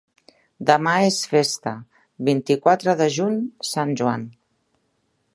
Demà és festa, vint-i-quatre de juny, Sant Joan.